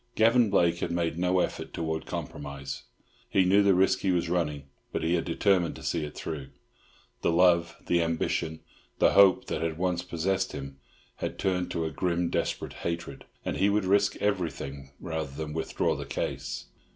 Gavan Blake had made no effort towards compromise. He knew the risk he was running, but he had determined to see it through. The love, the ambition, the hope that had once possessed him had turned to a grim desperate hatred, and he would risk everything rather than withdraw the case.